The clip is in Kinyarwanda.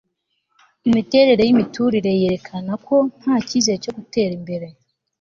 imiterere yimiturire yerekana ko nta cyizere cyo gutera imbere